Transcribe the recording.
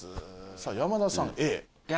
さぁ山田さんＡ。